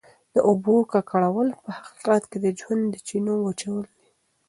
د اوبو ککړول په حقیقت کې د ژوند د چینو وچول دي.